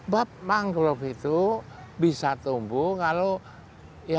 bab mangrove itu bisa tumbuh kalau ya